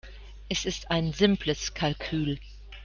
Es ist ein simples Kalkül.